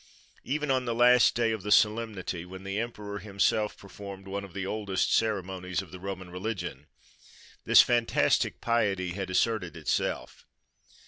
Even on the last day of the solemnity, when the emperor himself performed one of the oldest ceremonies of the Roman religion, this fantastic piety had asserted itself.